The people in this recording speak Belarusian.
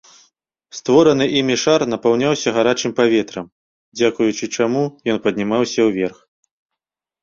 Створаны імі шар напаўняўся гарачым паветрам, дзякуючы чаму ён паднімаўся ўверх.